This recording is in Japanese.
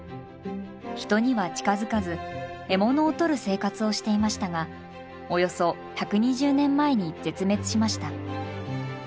人には近づかず獲物を取る生活をしていましたがおよそ１２０年前に絶滅しました。